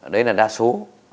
đấy là đa số